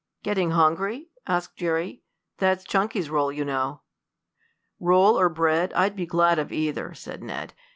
"Getting hungry?" asked Jerry. "That's Chunky's role, you know." "Roll or bread I'd be glad of either," said Ned.